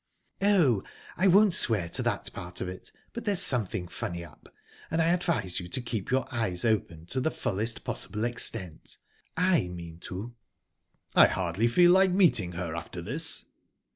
"Oh, I won't swear to that part of it, but there's something funny up, and I advise you to keep your eyes opened to the fullest possible extent. I mean to." "I hardly feel like meeting her after this."